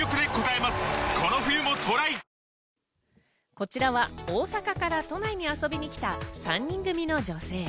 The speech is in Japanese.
こちらは大阪から都内に遊びに来た３人組の女性。